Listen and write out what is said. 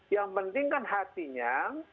yang pentingkan hatinya